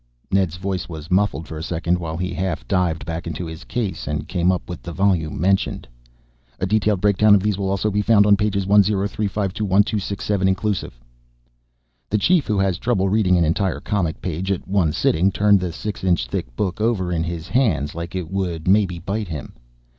Ned's voice was muffled for a second while he half dived back into his case and came up with the volume mentioned. "A detailed breakdown of these will also be found on pages 1035 to 1267 inclusive." The Chief, who has trouble reading an entire comic page at one sitting, turned the 6 inch thick book over in his hands like it would maybe bite him.